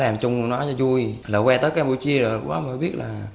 mình bán ở campuchia rồi